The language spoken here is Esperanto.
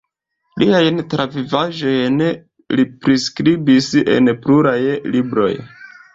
Liajn travivaĵojn li priskribis en pluraj libroj.